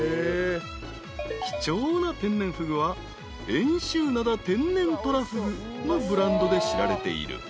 ［貴重な天然ふぐは遠州灘天然とらふぐのブランドで知られている］